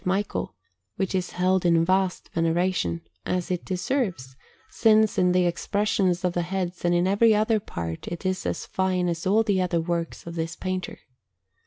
Michael, which is held in vast veneration, as it deserves, since in the expressions of the heads and in every other part it is as fine as all the other works of this painter.